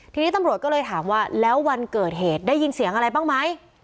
ทีนี้ตำรวจก็เลยถามว่าแล้ววันเกิดเหตุได้ยินเสียงอะไรบ้างไหม